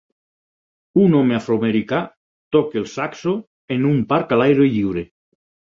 Un home afroamericà toca el saxo en un parc a l'aire lliure.